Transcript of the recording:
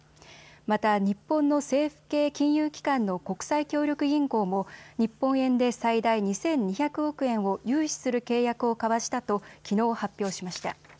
また日本の政府系金融機関の国際協力銀行も日本円で最大２２００億円を融資する契約を交わしたときのう発表しました。